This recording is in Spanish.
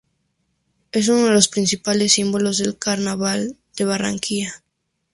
Es uno de los principales símbolos del carnaval de Barranquilla.